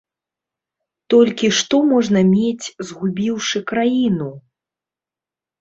Толькі што можна мець, згубіўшы краіну?!